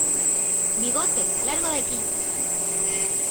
¡ Bigotes, largo de aquí!